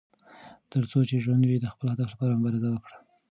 تر څو چې ژوند وي، د خپل هدف لپاره مبارزه وکړه.